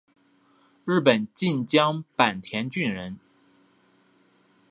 日本近江坂田郡人。